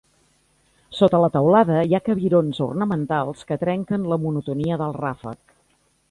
Sota la teulada hi ha cabirons ornamentals que trenquen la monotonia del ràfec.